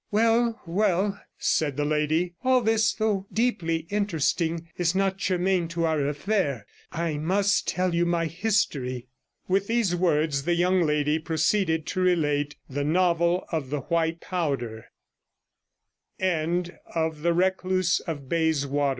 'Well, well,' said the lady; 'all this, though deeply interesting, is not germane to our affair. I must tell you my history.' With these words the young lady proceeded to relate the NOVEL OF THE WHITE POWDER 105 My name is Leicester; my fat